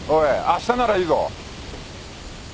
あしたならいいぞ。